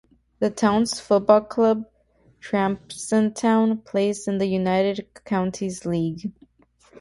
The town's football club, Thrapston Town, plays in the United Counties League.